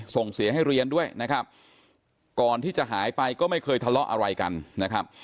ส่งเสียให้เรียนด้วยนะครับก่อนที่จะหายไปก็ไม่เคยทะเลาะอะไรกันนะครับ